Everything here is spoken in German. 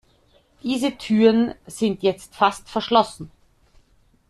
Diese Türen sind jetzt fast verschlossen.